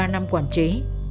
ba năm quản chế